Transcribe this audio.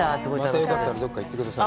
またよかったらどこか行ってください。